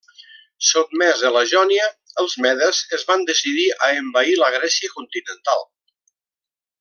Sotmesa la Jònia, els medes es van decidir a envair la Grècia continental.